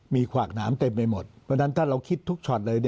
มีขวากหนามเต็มไปหมดเพราะฉะนั้นถ้าเราคิดทุกช็อตเลย